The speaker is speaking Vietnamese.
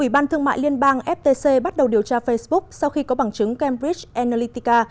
ủy ban thương mại liên bang ftc bắt đầu điều tra facebook sau khi có bằng chứng cambridge analytica